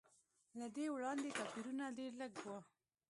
له دې وړاندې توپیرونه ډېر لږ و.